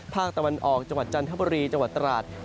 ภาคตะวันออกจังหวัดจันทบุรีจังหวัดตราด